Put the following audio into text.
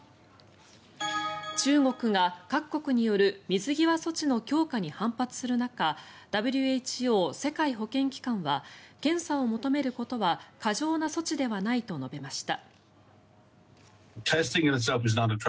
中国が各国による水際措置の強化に反発する中ＷＨＯ・世界保健機関は検査を求めることは過剰な措置ではないと述べました。